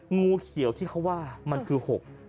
งูเขียวที่เขาว่ามันคือ๖